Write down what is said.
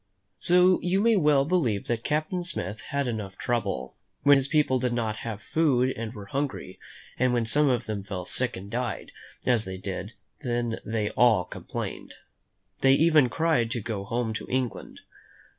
So you may well believe that Captain Smith had enough trouble. When his people did not have food and were hungry, and when some of them fell sick and died, as they did, then they all complained. They even cried to go home to England.